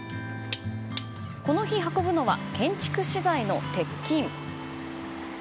この日運ぶのは建築資材の鉄筋。